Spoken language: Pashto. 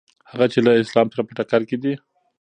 هغه چې له اسلام سره په ټکر کې دي.